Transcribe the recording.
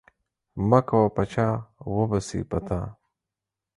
مه کوه په چا وبه سي په تا.